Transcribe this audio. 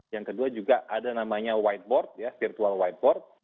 yang kedua juga ada namanya whiteboard ya virtual whiteboard